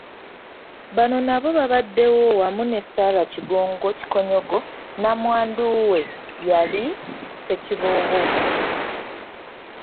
Bano nabo babaddewo wamu ne Sarah Kigongo Kikonyogo Nnamwandu w'eyali Ssekiboobo.